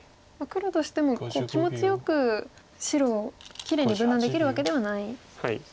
黒としてもこう気持ちよく白をきれいに分断できるわけではないんですね。